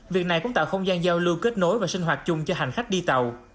việc này cũng tạo không gian giao lưu kết nối và sinh hoạt chung cho hành khách đi tàu